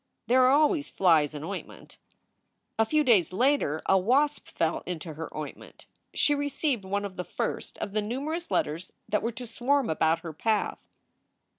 There are always flies in ointment. A few days later a wasp fell into her ointment. She received one of the first of the numerous letters that were to swarm about her path.